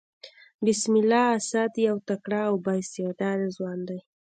بسم الله اسد يو تکړه او با استعداده ځوان دئ.